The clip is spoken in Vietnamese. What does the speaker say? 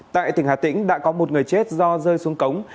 tại tỉnh hà tĩnh đã có một người chết do rơi xuống cống